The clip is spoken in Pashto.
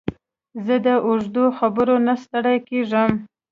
زه د اوږدو خبرو نه ستړی کېږم.